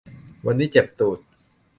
วันนี้เจ็บตูด